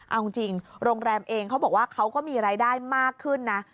เอาจริงโรงแรมเองเขาบอกว่าเขาก็มีรายได้มากขึ้นนะ